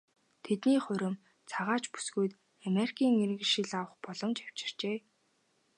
Тэдний хурим цагаач бүсгүйд Америкийн иргэншил авах боломж авчирчээ.